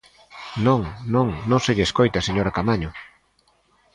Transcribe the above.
Non, non, non se lle escoita, señora Caamaño.